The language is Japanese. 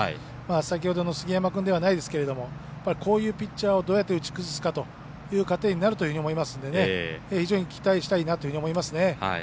先ほどの杉山君ではないですけどこういうピッチャーをどうやって打ち崩すかという糧になると思いますので非常に期待したいなと思いますね。